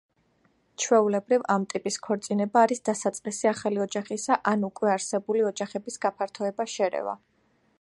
ჩვეულებრივ, ამ ტიპის ქორწინება არის დასაწყისი ახალი ოჯახისა ან უკვე არსებული ოჯახების გაფართოება, შერევა.